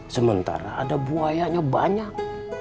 sementara ada buayanya banyak